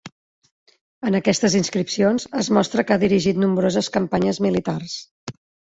En aquestes inscripcions es mostra que ha dirigit nombroses campanyes militars.